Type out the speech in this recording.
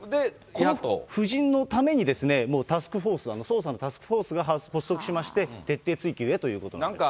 夫人のためにもうタスクフォース、捜査のタスクフォースが発足しまして、徹底追及へということなんです。